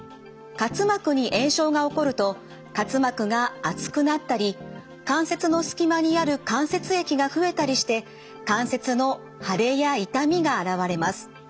滑膜に炎症が起こると滑膜が厚くなったり関節の隙間にある関節液が増えたりして関節の腫れや痛みが現れます。